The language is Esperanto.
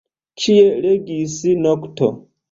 Ĉie regis nokto.